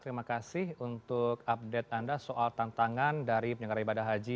terima kasih untuk update anda soal tantangan dari penyelenggara ibadah haji